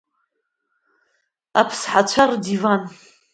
Аԥсҳацәа рдиван.